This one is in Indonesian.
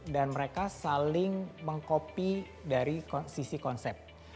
dan mereka saling mengkopi dari sisi konsep